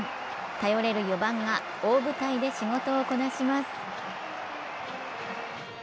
頼れる４番が大舞台で仕事をこなします。